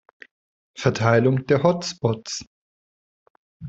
Verteilung der Hot Spots.